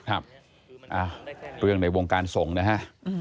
ครับเรื่องในวงการส่งนะฮะ